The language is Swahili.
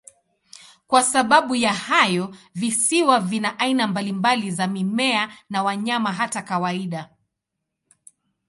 Kwa sababu ya hayo, visiwa vina aina mbalimbali za mimea na wanyama, hata kawaida.